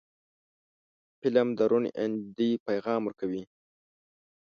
فلم د روڼ اندۍ پیغام ورکوي